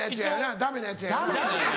「ダメなやつ」。